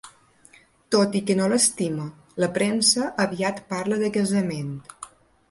Tot i que no l'estima, la premsa aviat parla de casament.